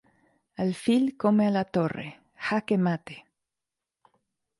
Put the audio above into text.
Alfil come a la torre ¡jaque mate!